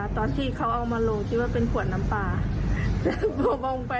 ตอนแรกเราคิดว่าเป็นอะไร